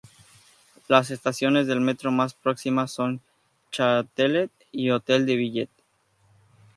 Las estaciones de metro más próximas son Châtelet y Hôtel de Ville.